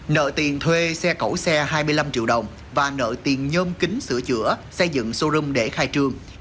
nợ tiền thuê xe cẩu xe hai mươi năm triệu đồng và nợ tiền nhôm kính sửa chữa xây dựng showroom để khai trương